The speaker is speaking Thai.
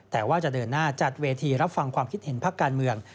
แต่ว่าจะเดินหน้าจัดเวทีรับฟังความคิดเห็นพักการเมือง